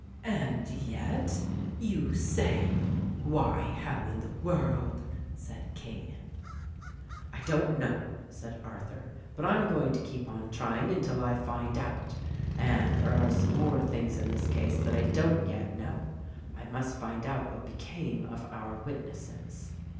"And yet, you say ! Why how in the world?" said King. "I don't know," said Arthur, "but I'm going to keep on trying until I find out. And there are some more things in this case that I don't yet know. I must find out what be came of our witnesses."